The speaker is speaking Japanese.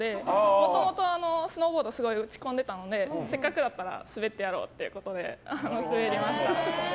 もともとスノーボードに打ち込んでいたのでせっかくだったら滑ってやろうということで滑りました。